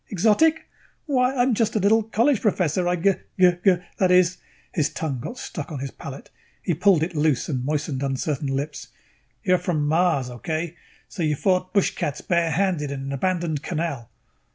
Exotic? Why, I'm just a little college professor. I g g g, that is " His tongue got stuck on his palate. He pulled it loose and moistened uncertain lips. "You are from Mars. Okay? So you fought bushcats barehanded in an abandoned canal."